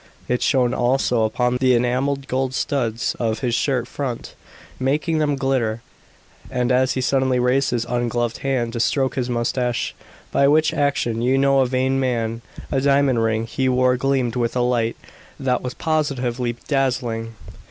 It shone also upon the enameled gold studs of his shirt front, making them glitter; and as he suddenly raised his ungloved hand to stroke his moustache by which action you know a vain man a diamond ring he wore gleamed with a light that was positively dazzling.